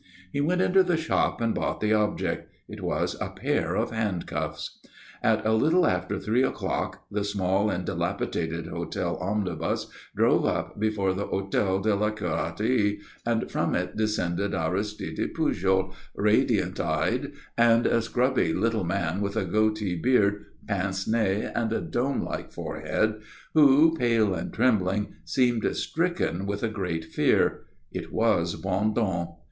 He went into the shop and bought the object. It was a pair of handcuffs. At a little after three o'clock the small and dilapidated hotel omnibus drove up before the Hôtel de la Curatterie, and from it descended Aristide Pujol, radiant eyed, and a scrubby little man with a goatee beard, pince nez, and a dome like forehead, who, pale and trembling, seemed stricken with a great fear. It was Bondon.